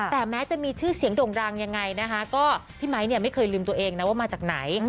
แต่แม้จะมีชื่อเสียงด่งดังยังไงนะคะก็พี่ไมค์เนี่ยไม่เคยลืมตัวเองนะว่ามาจากไหน